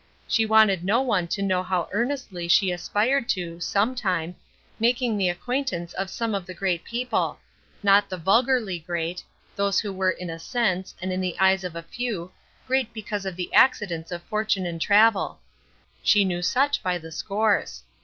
She wanted no one to know how earnestly she aspired to, sometime, making the acquaintance of some of the great people not the vulgarly great, those who were in a sense, and in the eyes of a few, great because of the accidents of fortune and travel. She knew such by the scores.